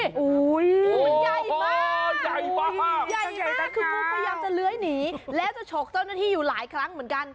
โอ้โหมันใหญ่มากใหญ่มากใหญ่นั้นคืองูพยายามจะเลื้อยหนีแล้วจะฉกเจ้าหน้าที่อยู่หลายครั้งเหมือนกัน